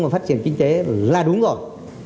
và phát triển kinh tế là đúng rồi